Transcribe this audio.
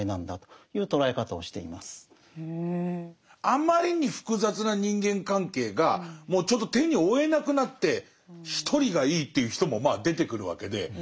あまりに複雑な人間関係がもうちょっと手に負えなくなって一人がいいっていう人もまあ出てくるわけで。